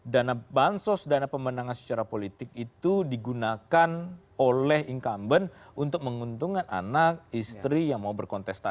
dana bansos dana pemenangan secara politik itu digunakan oleh incumbent untuk menguntungkan anak istri yang mau berkontestasi